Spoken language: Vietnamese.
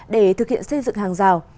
để thực hiện xây dựng hàng rào